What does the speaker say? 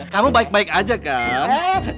kamu baik baik aja kan